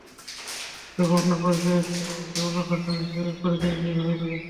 তবে অন্য পরিচয়ের চেয়ে রওনক হাসান হিসেবে পরিচয় দিতেই ভালো লাগে।